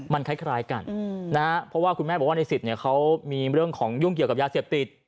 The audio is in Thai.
มันคล้ายกันนะฮะเพราะว่าคุณแม่บอกว่าในสิทธิ์เขามีเรื่องของยุ่งเกี่ยวกับยาเสพติด